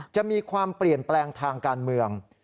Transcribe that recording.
จะมีความเปลี่ยนแปลงทางการเมือง